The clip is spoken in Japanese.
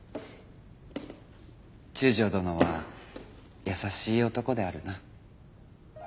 中将殿は優しい男であるな。